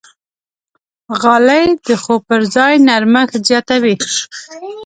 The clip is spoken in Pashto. غالۍ د خوب پر ځای نرمښت زیاتوي.